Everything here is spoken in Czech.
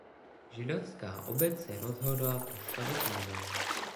Židovská obec se rozhodla postavit novou.